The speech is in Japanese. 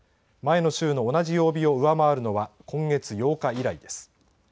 前の週の同じ曜日を上回るのは今月８日以来です。